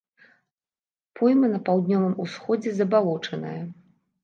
Пойма на паўднёвым усходзе забалочаная.